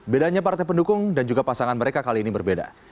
bedanya partai pendukung dan juga pasangan mereka kali ini berbeda